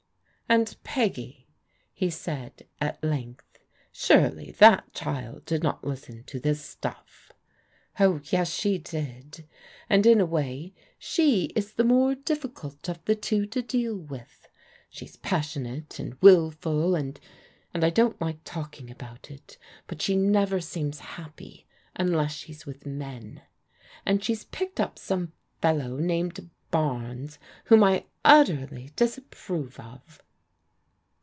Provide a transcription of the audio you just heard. " And Peggy," he said at length, " surely that child did not listen to this stuff? "" Oh, yes, she did. And in a way she is the more diffi cult of the two to deal with. She's passionate and wil ful, and — and I don't like talking about it, but she never seems happy unless she's with men. And she's picked up with some fellow named Barnes whom I utterly dis approve of."